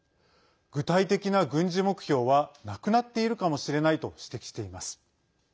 具体的な軍事目標はなくなっているかもしれないと指摘しています。